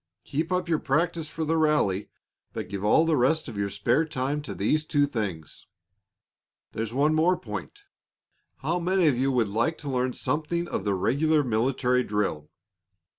Keep up your practice for the rally, but give all the rest of your spare time to these two things. There's one more point. How many of you would like to learn something of the regular military drill?